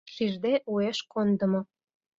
Шижде уэш кондымо.